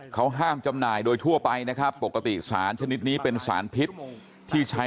เขาห้ามจำหน่ายโดยทั่วไปนะครับปกติสารชนิดนี้เป็นสารพิษที่ใช้